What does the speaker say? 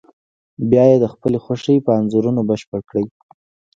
بیا یې د خپلې خوښې په انځورونو بشپړ کړئ.